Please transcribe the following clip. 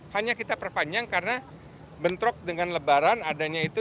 hanya kita perpanjang karena bentrok dengan lebaran adanya itu